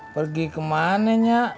pergi kemana nyak